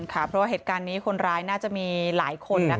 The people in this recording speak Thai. เพราะว่าเหตุการณ์นี้คนร้ายน่าจะมีหลายคนนะคะ